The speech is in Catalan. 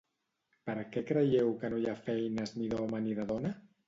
Per què creieu que no hi ha feines ni d'home ni de dona?